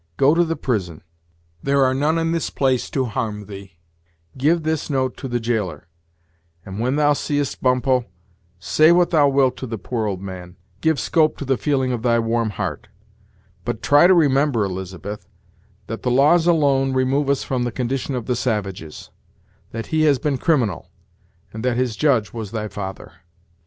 Go to the prison there are none in this pace to harm thee give this note to the jailer, and, when thou seest Bumppo, say what thou wilt to the poor old man; give scope to the feeling of thy warm heart; but try to remember, Elizabeth, that the laws alone remove us from the condition of the savages; that he has been criminal, and that his judge was thy father."